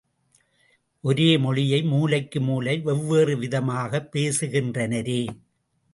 ஒரே மொழியை, மூலைக்கு மூலை வெவ்வேறு விதமாகப் பேசுகின்றனரே.